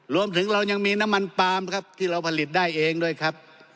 รวมถึงเรายังมีน้ำมันปลามครับที่เราผลิตได้เองด้วยครับ